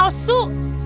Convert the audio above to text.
oh aduh ini